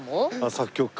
作曲家。